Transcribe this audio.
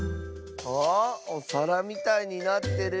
あおさらみたいになってる？